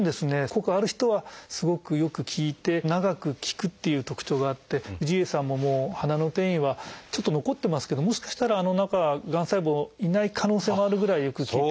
効果がある人はすごくよく効いて長く効くっていう特徴があって氏家さんももう鼻の転移はちょっと残ってますけどもしかしたらあの中はがん細胞いない可能性もあるぐらいよく効いてます。